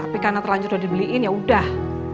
tapi karena terlanjur udah dibeliin yaudah